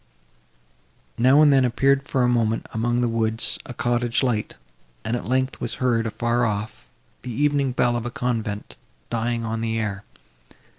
Now and then, appeared for a moment, among the woods, a cottage light; and, at length, was heard, afar off, the evening bell of a convent, dying on the air.